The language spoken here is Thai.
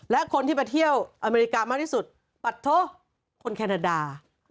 และคนที่มาเที่ยวอเมริกามากที่สุดปัดโทคนแคนาดา